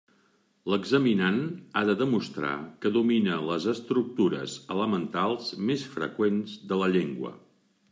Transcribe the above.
L'examinand ha de demostrar que domina les estructures elementals més freqüents de la llengua.